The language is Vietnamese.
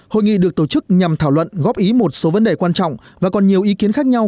hội nghị được tổ chức nhằm thảo luận góp ý một số vấn đề quan trọng và còn nhiều ý kiến khác nhau